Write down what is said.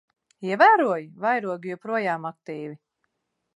Ievēroji? Vairogi joprojām aktīvi.